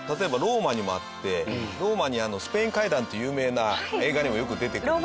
ローマにスペイン階段って有名な映画にもよく出てくる。